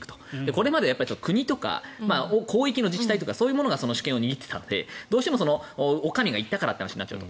これまで国とか広域の自治体とかそういうものが主権を握っていたのでどうしてもお上が言ったからという話になっちゃう。